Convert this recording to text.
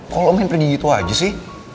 kalo lo main pergi gitu aja sih